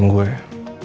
dan dia ngajem gue